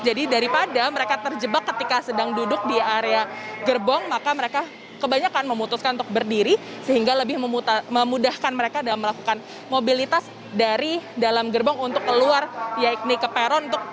jadi daripada mereka terjebak ketika sedang duduk di area gerbong maka mereka kebanyakan memutuskan untuk berdiri sehingga lebih memudahkan mereka dalam melakukan mobilitas dari dalam gerbong untuk keluar ya ini ke peron untuk menuju ke tujuan